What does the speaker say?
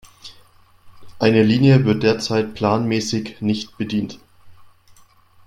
Eine Linie wird derzeit planmäßig nicht bedient.